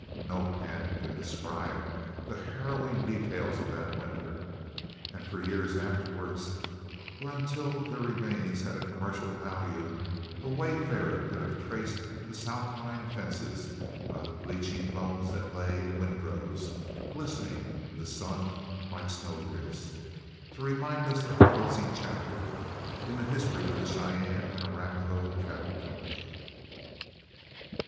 No pen could describe the harrowing details of that winter; and for years afterward, or until their remains had a commercial value, a wayfarer could have traced the south line fences by the bleaching bones that lay in windrows, glistening in the sun like snowdrifts, to remind us of the closing chapter in the history of the Cheyenne and Arapahoe Cattle Company.